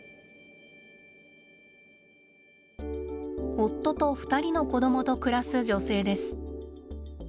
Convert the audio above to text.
夫と２人の子どもと暮らす女性です。